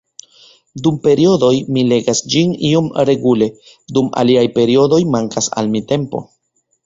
Dum periodoj mi legas ĝin iom regule, dum aliaj periodoj mankas al mi tempo.